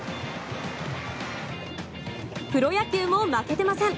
プロ野球も負けてません。